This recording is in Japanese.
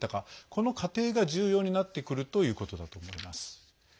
この過程が重要になってくるということだと思います。